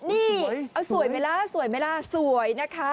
นี่เอาสวยไหมล่ะสวยไหมล่ะสวยนะคะ